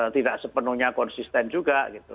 tidak sepenuhnya konsisten juga gitu